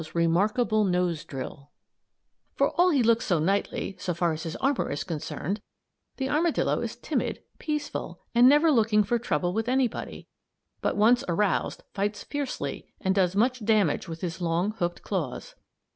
ARMADILLO'S REMARKABLE NOSE DRILL For all he looks so knightly, so far as his armor is concerned, the armadillo is timid, peaceful, and never looking for trouble with anybody, but once aroused fights fiercely and does much damage with his long hooked claws.